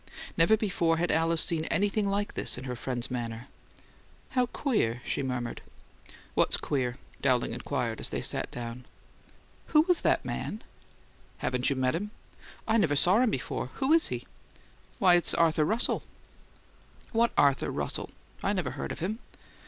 Never before had Alice seen anything like this in her friend's manner. "How queer!" she murmured. "What's queer?" Dowling inquired as they sat down. "Who was that man?" "Haven't you met him?" "I never saw him before. Who is he?" "Why, it's this Arthur Russell." "What Arthur Russell? I never heard of him."